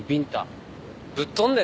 ぶっ飛んでんな。